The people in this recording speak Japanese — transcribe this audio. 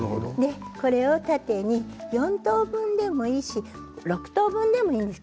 それを縦に４等分でもいいし６等分でもいいんです。